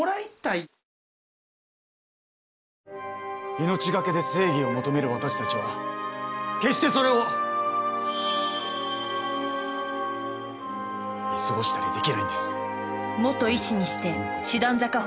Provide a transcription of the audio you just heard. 命懸けで正義を求める私たちは決してそれを見過ごしたりできないんです。